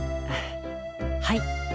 はい！